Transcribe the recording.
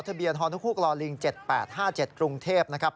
ทะเบียนฮนุฮกลลิง๗๘๕๗กรุงเทพนะครับ